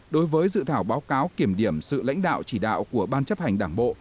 đối với dự thảo báo cáo kiểm điểm sự lãnh đạo chỉ đạo của ban chấp hành đảng bộ